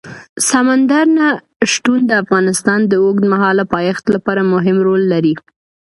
سمندر نه شتون د افغانستان د اوږدمهاله پایښت لپاره مهم رول لري.